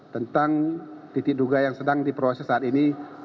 tentang titik duga yang sedang diproses saat ini